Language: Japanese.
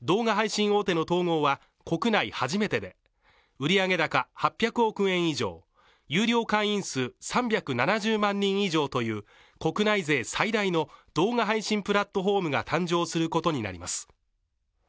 動画配信大手の統合は国内初めてで売上高８００億円以上、有料会員数３７０万人以上という国内勢最大の動画配信プラットフォームが誕生することになります。